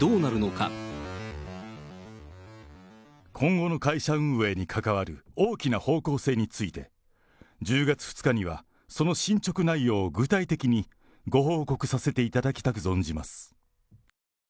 今後の会社運営に関わる大きな方向性について、１０月２日にはその進ちょく内容を具体的にご報告させていただきたく存じます。